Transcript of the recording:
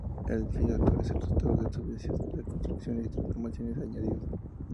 El edificio actual es el resultado de sucesivas reconstrucciones, transformaciones y añadidos.